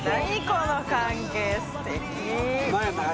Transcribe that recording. この関係すてき！